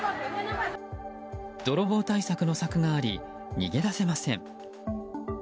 泥棒対策の柵があり逃げ出せません。